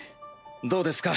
どうですか？